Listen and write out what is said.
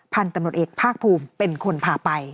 พันธุ์ตำรวจเอกภาคภูมิเป็นคนพาไป